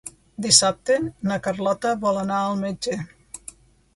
Dissabte na Carlota vol anar al metge.